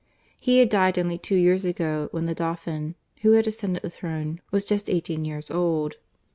He had died only two years ago, when the Dauphin, who had ascended the throne, was just eighteen years old.